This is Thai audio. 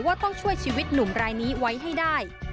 ว่าต้องช่วยชีวิตหนุ่มรายนี้ไว้ให้ได้